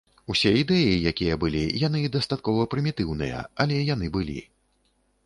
Усе ідэі, якія былі, яны дастаткова прымітыўныя, але яны былі.